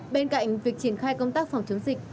bên cạnh việc triển khai công tác phòng chống dịch